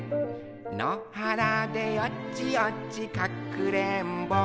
のはらでよちよちかくれんぼ」